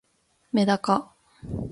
めだか